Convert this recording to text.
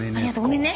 ごめんね。